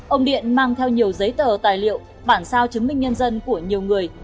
ông điện mang theo nhiều giấy tờ tài liệu bản sao chứng minh nhân dân của nhiều người